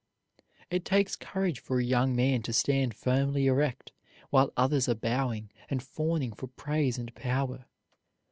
It takes courage for a young man to stand firmly erect while others are bowing and fawning for praise and power.